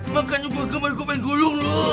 makanya gue gemar gue pengen gulung lo